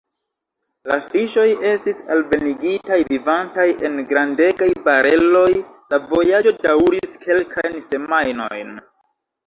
La fiŝoj estis alvenigitaj vivantaj, en grandegaj bareloj, la vojaĝo daŭris kelkajn semajnojn.